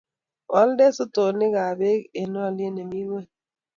ooldei sotonikab beek eng olyet nemii ing'weny